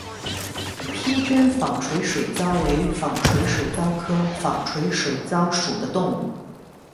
披针纺锤水蚤为纺锤水蚤科纺锤水蚤属的动物。